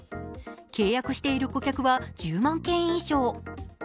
契約している顧客は１０万件以上。